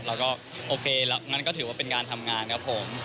แล้วก็โอเคแล้วงั้นก็ถือว่าเป็นงานทำงานครับผม